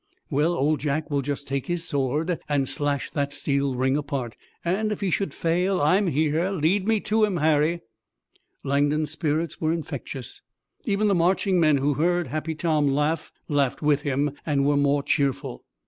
"Well, Old Jack will just take his sword and slash that steel ring apart. And if he should fail I'm here. Lead me to 'em, Harry." Langdon's spirits were infectious. Even the marching men who heard Happy Tom laugh, laughed with him and were more cheerful.